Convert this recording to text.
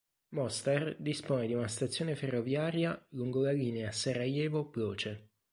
Mostar dispone di una stazione ferroviaria lungo la linea Sarajevo–Ploče.